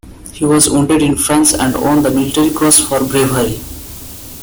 He was wounded in France, and won the Military Cross for bravery.